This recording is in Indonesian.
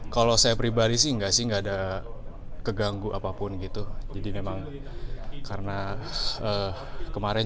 kalau saya pribadi sih enggak sih enggak ada keganggu apapun gitu jadi memang karena kemarin